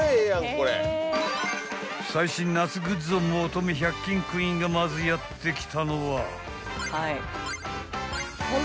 ［最新夏グッズを求め１００均クイーンがまずやって来たのは］